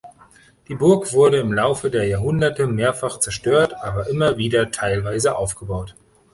Die Burg wurde im Laufe der Jahrhunderte mehrfach zerstört, aber immer wieder teilweise aufgebaut.